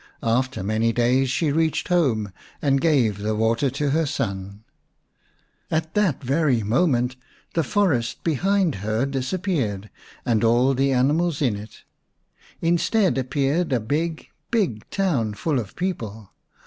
After many days she reached home, and gave the water to her son. At that very moment the forest behind her disappeared, and all the animals in it. Instead appeared a big, big town full of people.